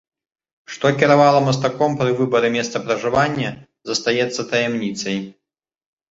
Што кіравала мастаком пры выбары месца пражывання, застаецца таямніцай.